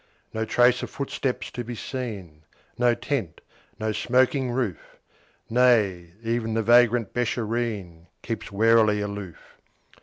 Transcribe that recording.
No trace of footsteps to be seen, No tent, no smoking roof; Nay, even the vagrant Beeshareen Keeps warily aloof.